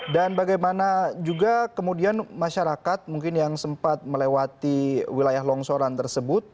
dan bagaimana juga kemudian masyarakat mungkin yang sempat melewati wilayah longsoran tersebut